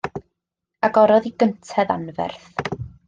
Agorodd i gynted anferth.